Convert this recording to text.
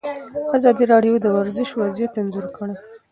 ازادي راډیو د ورزش وضعیت انځور کړی.